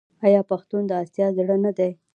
آیا پښتون د اسیا زړه نه دی؟